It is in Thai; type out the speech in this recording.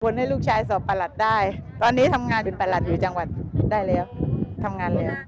ให้ลูกชายสอบประหลัดได้ตอนนี้ทำงานเป็นประหลัดอยู่จังหวัดได้แล้วทำงานแล้ว